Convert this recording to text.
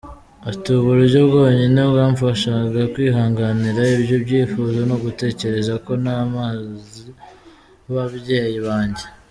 Ati “Uburyo bwonyine bwamfashaga kwihanganira ibyo byifuzo ni ugutekereza ku nama z’ ababyeyi banjye.